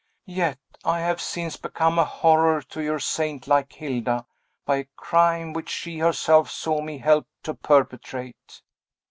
"Yet I have since become a horror to your saint like Hilda, by a crime which she herself saw me help to perpetrate!"